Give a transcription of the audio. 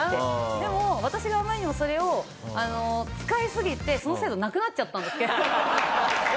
でも私があまりにもそれを使いすぎてその制度なくなっちゃったんですけど。